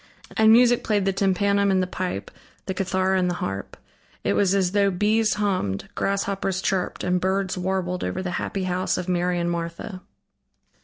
And music played the tympanum and the pipe, the cithara and the harp. It was as though bees hummed, grasshoppers chirped and birds warbled over the happy house of Mary and Martha.